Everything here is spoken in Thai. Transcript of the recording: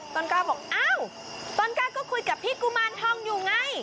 ก้าวบอกอ้าวต้นกล้าก็คุยกับพี่กุมารทองอยู่ไง